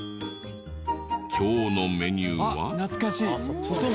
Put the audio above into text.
今日のメニューは。